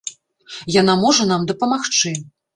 Яна можа нам дапамагчы.